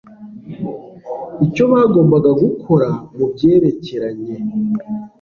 icyo bagombaga gukora mu byerekeranye